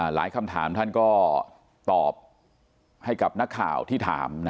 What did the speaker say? คำถามท่านก็ตอบให้กับนักข่าวที่ถาม